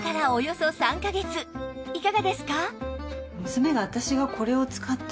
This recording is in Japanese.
いかがですか？